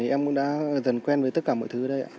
em cũng đã dần quen với tất cả mọi thứ ở đây